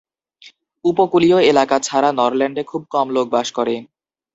উপকূলীয় এলাকা ছাড়া নরল্যান্ডে খুব কম লোক বাস করে।